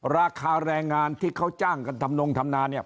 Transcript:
ราคาแรงงานที่เขาจ้างกันทำนงทำนาเนี่ย